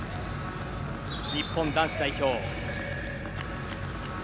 日本男子代表。